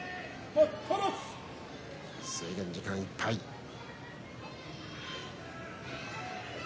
制限時間いっぱいです。